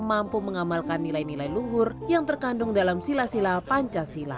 mampu mengamalkan nilai nilai luhur yang terkandung dalam sila sila pancasila